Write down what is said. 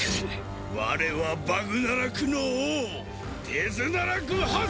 我はバグナラクの王デズナラク８世！